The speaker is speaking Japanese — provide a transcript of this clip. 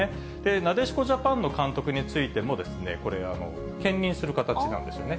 なでしこジャパンの監督についてもですね、これ、兼任する形なんですよね。